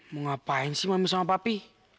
mau ngapain sih mami sama papi